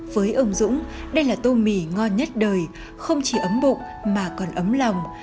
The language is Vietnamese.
với ông dũng đây là tôm mì ngon nhất đời không chỉ ấm bụng mà còn ấm lòng